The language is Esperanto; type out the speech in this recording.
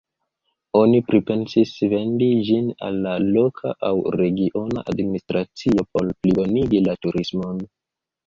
Oni pripensis vendi ĝin al la loka aŭ regiona administracio por plibonigi la turismon.